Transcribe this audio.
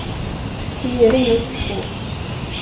Vi ger inga uppskov.